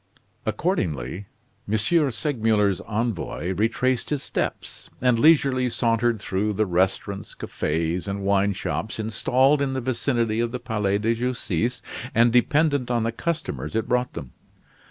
Accordingly, M. Segmuller's envoy retraced his steps, and leisurely sauntered through the restaurants, cafes, and wine shops installed in the vicinity of the Palais de Justice, and dependent on the customers it brought them.